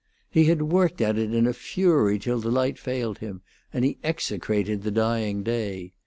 He had worked at it in a fury till the light failed him, and he execrated the dying day.